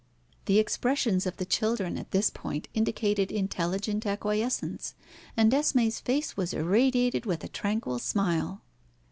The expressions of the children at this point indicated intelligent acquiescence, and Esmé's face was irradiated with a tranquil smile.